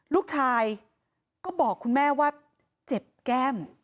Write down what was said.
ลูกชายก็บอกคุณแม่ว่าเจ็บแก้ม